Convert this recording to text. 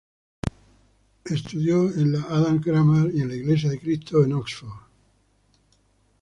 Estudió en la Adams' Grammar y en la Iglesia de Cristo, en Oxford.